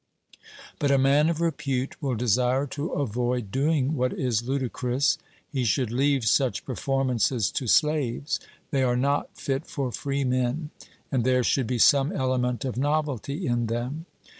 But a man of repute will desire to avoid doing what is ludicrous. He should leave such performances to slaves, they are not fit for freemen; and there should be some element of novelty in them.